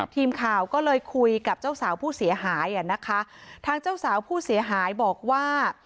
ทีมข่าวก็เลยคุยกับเจ้าสาวผู้เสียหายอ่ะนะคะทางเจ้าสาวผู้เสียหายบอกว่า